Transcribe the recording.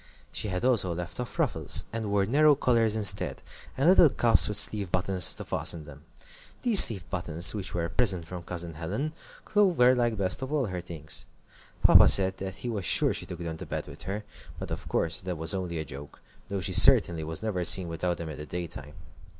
She had also left off ruffles, and wore narrow collars instead, and little cuffs with sleeve buttons to fasten them. These sleeve buttons, which were a present from Cousin Helen, Clover liked best of all her things. Papa said that he was sure she took them to bed with her, but of course that was only a joke, though she certainly was never seen without them in the daytime.